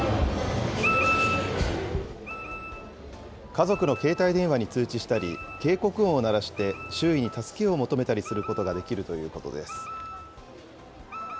家族の携帯電話に通知したり、警告音を鳴らして周囲に助けを求めたりすることができるということです。